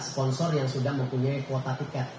sponsor yang sudah mempunyai kuota tiket